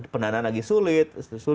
pendanaan lagi sulit